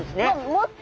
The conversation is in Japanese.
もっと？